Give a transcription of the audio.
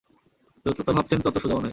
যতটা ভাবছেন তত সোজাও নয়।